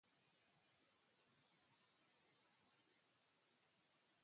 Los relevos se hacen tocando la espalda o la mano.